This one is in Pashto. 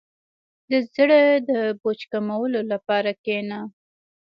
• د زړۀ د بوج کمولو لپاره کښېنه.